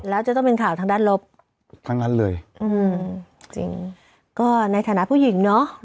ควบกับปลาดินอะไรก็ต้องมีข่าว